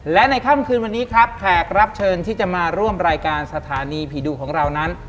และในค่ำคืนวันนี้ครับแขกรับเชิญที่จะมาร่วมรายการสถานีผีดุของเรานั้น